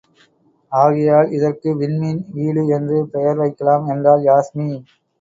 ஆகையால், இதற்கு விண்மீன் வீடு என்று பெயர் வைக்கலாம் என்றாள் யாஸ்மி.